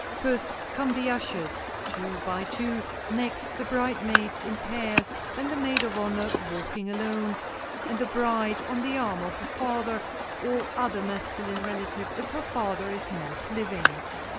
First, come the ushers, two by two, next, the bridesmaids in pairs, then the maid of honor, walking alone, and the bride on the arm of her father, or other masculine relative if her father is not living.